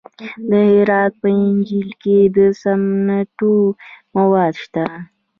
د هرات په انجیل کې د سمنټو مواد شته.